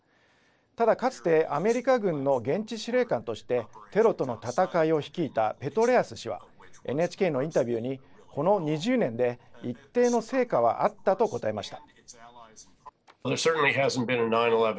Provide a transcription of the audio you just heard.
ただ、かつてアメリカ軍の現地司令官としてテロとの戦いを率いたペトレアス氏はＮＨＫのインタビューにこの２０年で一定の成果はあったと答えました。